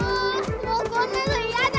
もうこんなのいやだ！